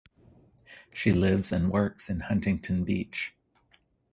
She lives and works in Huntington Beach.